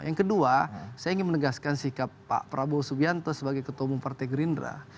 yang kedua saya ingin menegaskan sikap pak prabowo subianto sebagai ketua umum partai gerindra